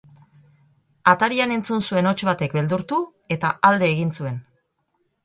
Atarian entzun zuen hots batek beldurtu eta alde egin zuen.